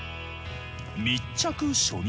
密着初日。